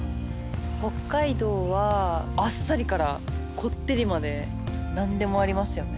北海道はあっさりからこってりまで何でもありますよね。